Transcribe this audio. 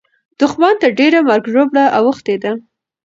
دښمن ته ډېره مرګ او ژوبله اوښتې ده.